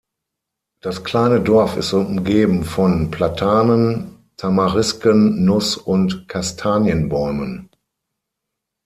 Das kleine Dorf ist umgeben von Platanen, Tamarisken, Nuss- und Kastanienbäumen.